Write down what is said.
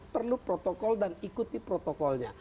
perlu protokol dan ikuti protokolnya